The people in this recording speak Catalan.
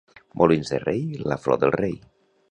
Molins de Rei, la flor del rei.